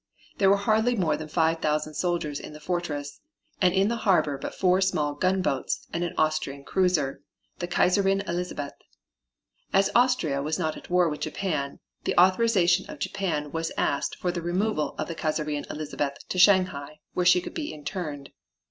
There were hardly more than five thousand soldiers in the fortress, and in the harbor but four small gunboats and an Austrian cruiser, the Kaiserin Elizabeth. As Austria was not at war with Japan the authorization of Japan was asked for the removal of the Kaiserin Elizabeth to Shanghai, where she could be interned.